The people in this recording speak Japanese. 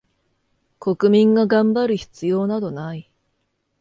国民が頑張る必要などない